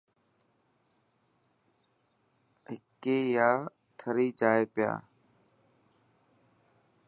حڪي يا ٿري جائي پيا.